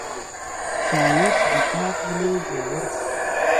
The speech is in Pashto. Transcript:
ښایست د پاک زړه زیور دی